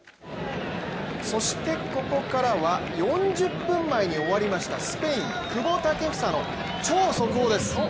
そしてここからは４０分前に終わりましたスペイン・久保建英の超速報です。